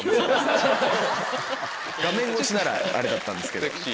画面越しならあれだったんですけど。